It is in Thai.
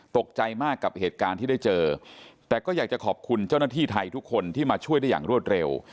ตกใจมากกับเหตุการณ์ที่ได้เจอแต่ก็อยากจะขอบคุณเจ้าหน้าที่ไทยทุกคนที่มาช่วยได้อย่างรวดเร็ว